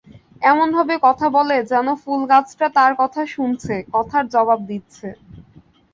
এমনভাবে কথা বলে, যেন ফুলগাছটা তার কথা শুনছে, কথার জবাব দিচ্ছে।